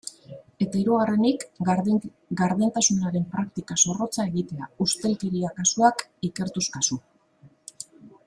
Eta hirugarrenik, gardentasunaren praktika zorrotza egitea, ustelkeria kasuak ikertuz kasu.